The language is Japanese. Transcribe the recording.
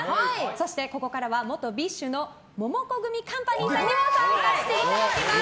そして、ここからは元ＢｉＳＨのモモコグミカンパニーさんにも参加していただきます。